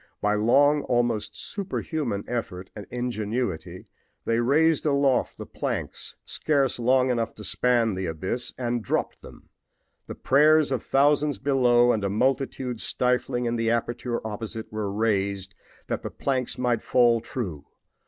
By almost superhuman effort and ingenuity they raised aloft the planks, scarce long enough to span the abyss, and dropped them. The prayers of thousands below and a multitude stifling in the aperture opposite were raised that the planks might fall true.